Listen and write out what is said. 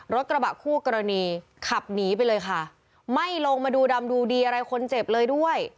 รถกระบะคู่กรณีขับหนีไปเลยค่ะไม่ลงมาดูดำดูดีอะไรคนเจ็บเลยด้วย